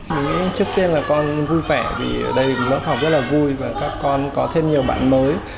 trước tiên là con vui vẻ vì ở đây lớp học rất là vui và các con có thêm nhiều bạn mới